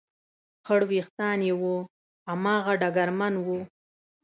خړ وېښتان یې و، هماغه ډګرمن و.